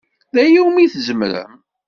D aya umi tzemrem?